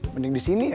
mending di sini ya